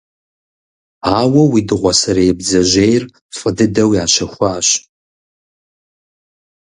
Ауэ уи дыгъуасэрей бдзэжьейр фӀы дыдэу ящэхуащ.